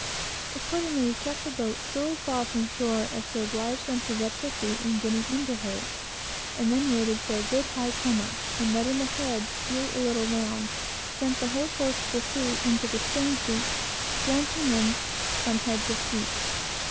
Accordingly, we kept the boat so far from shore as to oblige them to wet their feet in getting into her; and then waited for a good high comber, and letting the head slue a little round, sent the whole force of the sea into the stern sheets, drenching them from head to feet.